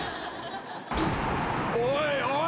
おいおい！